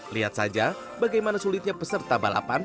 lihat saja bagaimana sulitnya peserta balapan